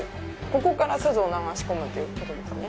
ここから錫を流し込むということですね。